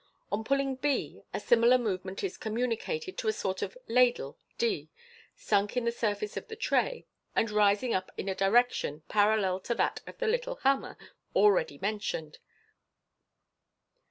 On pulling b, a similar movement is communicated to a sort of ladle d, sunk in the surface of the tray, and rising up in a direction parallel to that of the little hammer already mentioned.